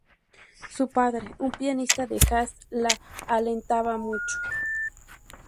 Su padre, un pianista de Jazz, la alentaba mucho.